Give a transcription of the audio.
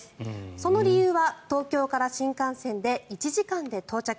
その理由は東京から新幹線で１時間で到着。